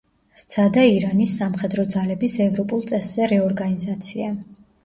სცადა ირანის სამხედრო ძალების ევროპულ წესზე რეორგანიზაცია.